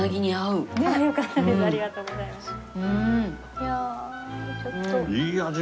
いやあちょっと。